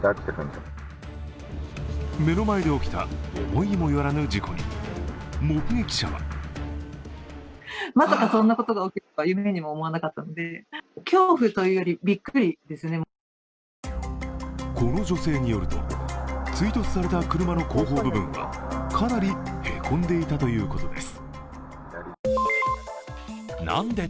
目の前で起きた思いもよらぬ事故に、目撃者はこの女性によると、追突された車の後方部分はかなりへこんでいたということです。